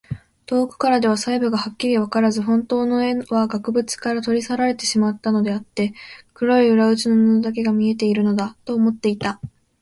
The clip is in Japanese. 遠くからでは細部がはっきりわからず、ほんとうの絵は額ぶちから取り去られてしまったのであって、黒い裏打ちの布だけが見えているのだ、と思っていた。